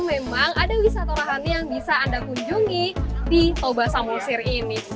memang ada wisata rohani yang bisa anda kunjungi di toba samosir ini